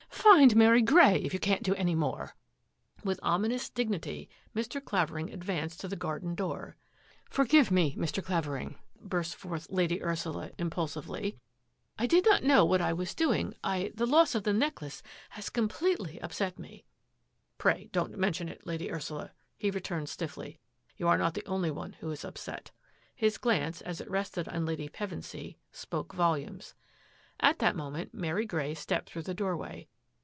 Find Mary Grey, if you can't do any more." With ominous dignity Mr. Clavering advanced to the garden door. "Forgive me, Mr. Clavering," burst forth Lady Ursula impulsively. " I did not know what CLAVERING TAKES THE FIELD 9 I was doing. I — the loss of the necklace has completely upset me." " Pray don^t mention it, Lady Ursula," he re turned stiffly. " You are not the only one who is upset." His glance, as it rested on Lady Pevensy, spoke volumes. At that moment Mary Grey stepped through the doorway.